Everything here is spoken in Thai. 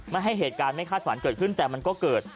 ไม่ให้เหตุการณ์ไม่คาดฝันเกิดขึ้นแต่มันก็เกิด